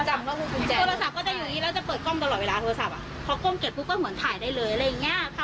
จับได้หรืออะไรอย่างงี้ไม่มีเราก็ไม่มีหลักฐานเราก็ไม่มีหลักฐาน